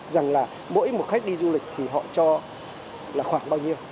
rằng là mỗi một khách đi du lịch thì họ cho là khoảng bao nhiêu